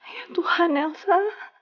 ya tuhan elsa